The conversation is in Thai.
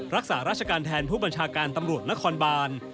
รักษาราชการแทนผู้บัญชาการตำรวจนครบาน